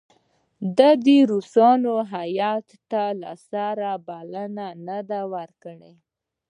ده د روسانو هیات ته له سره بلنه نه ده ورکړې.